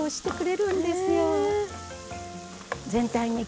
うん。